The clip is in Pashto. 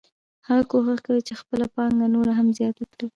هغه کوښښ کوي چې خپله پانګه نوره هم زیاته کړي